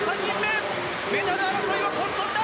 メダル争いは混沌だ！